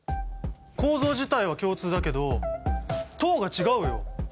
構造自体は共通だけど「糖」が違うよ！